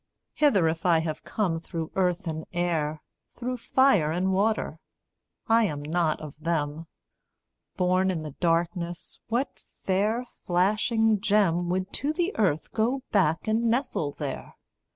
Hither if I have come through earth and air, Through fire and water I am not of them; Born in the darkness, what fair flashing gem Would to the earth go back and nestle there?